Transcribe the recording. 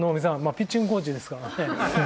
ピッチングコーチですからね。